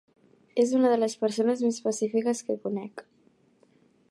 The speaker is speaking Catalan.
És una de les persones més pacífiques que conec.